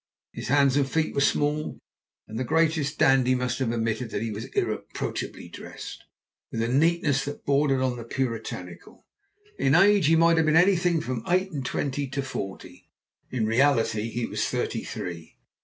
His hands and feet were small, and the greatest dandy must have admitted that he was irreproachably dressed, with a neatness that bordered on the puritanical. In age he might have been anything from eight and twenty to forty; in reality he was thirty three.